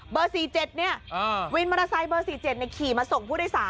เบอร์๔๗เนี่ยวินมอเตอร์ไซต์เบอร์๔๗ขี่มาส่งผู้โดยสาร